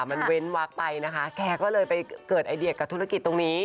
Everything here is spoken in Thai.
มันเว้นวักไปนะคะแกก็เลยไปเกิดไอเดียกับธุรกิจตรงนี้